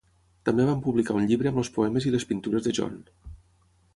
També van publicar un llibre amb els poemes i les pintures de John.